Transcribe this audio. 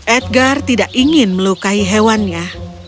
edgar tidak ingin melukai hewannya